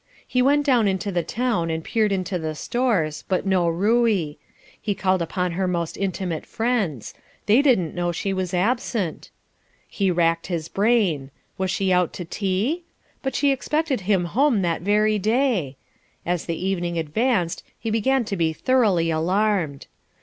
He went down into the town and peered into the stores, but no Ruey. He called upon her most intimate friends they didn't know she was absent. He racked his brain; was she out to tea? but she expected him home that very day. As the evening advanced he began to be thoroughly alarmed.